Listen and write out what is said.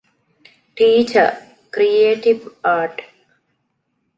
ޓީޗަރ - ކްރިއޭޓިވް އާރޓް